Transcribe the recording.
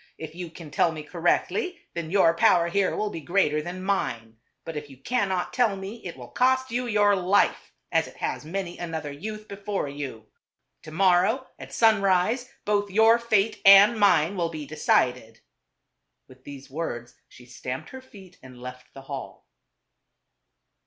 ' If you can tell me cor rectly, then your power here will be greater than mine. But if you cannot tell me, it will cost you your life, as it has many another youth before you. To morrow at sunrise, both your fate and mine will be decided." With these words she stamped her feet and left the hall.